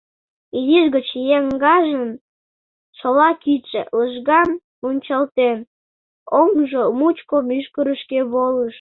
Изиш гыч еҥгажын шола кидше, лыжган мунчалтен, оҥжо мучко мӱшкырышкӧ волыш.